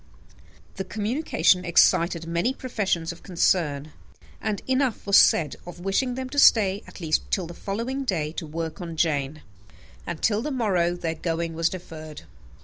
The communication excited many professions of concern; and enough was said of wishing them to stay at least till the following day to work on Jane; and till the morrow their going was deferred.